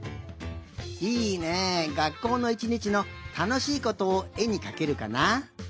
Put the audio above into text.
いいねがっこうのいちにちのたのしいことをえにかけるかな？